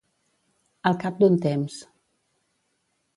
Al cap d'un temps.